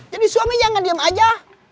jadi suami jangan diam aja